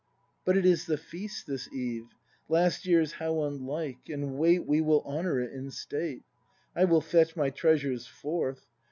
But it is the Feast this eve — Last year's how unlike! And wait We will honour it in state. I will fetch my treasures forth.